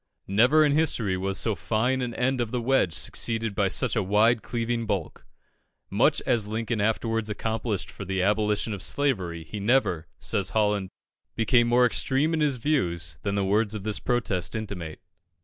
Never in history was so fine an end of the wedge succeeded by such a wide cleaving bulk. Much as Lincoln afterwards accomplished for the abolition of slavery, he never, says Holland, became more extreme in his views than the words of this protest intimate.